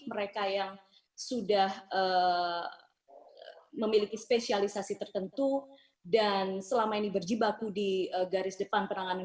mereka yang sudah memiliki spesialisasi tertentu dan selama ini berjibaku di garis depan penanganan